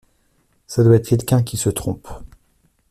Ça doit être quelqu’un qui se trompe.